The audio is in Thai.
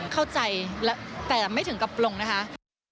เข้าใจแต่ไม่ถึงกับปลงนะคะ